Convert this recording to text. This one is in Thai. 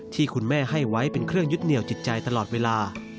ที่คุณแม่ให้ไว้เป็นเครื่องยึดเหนียวจิตใจตลอดเวลา